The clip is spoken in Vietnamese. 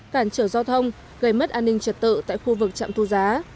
cản trở giao thông gây mất an ninh trật tự tại khu vực trạm thu giá